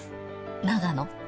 長野、